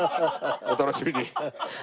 お楽しみに。